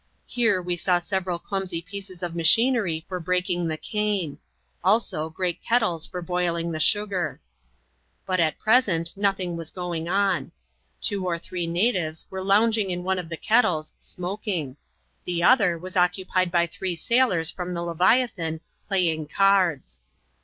Here we saw several clumsy pieces of machinery for breaking the cane ; also great kettles for boiling the sugar. But, at present, nothing was going on. Two or three natives were lounging in one of the kettles, smoking ; the other was occupied by three sailors from the Leviathan, playing cards.